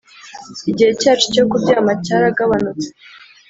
igihe cyacu cyo kuryama cyaragabanutse!